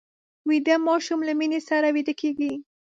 ویده ماشوم له مینې سره ویده کېږي